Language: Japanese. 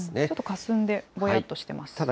ちょっとかすんで、ぼやっとしています。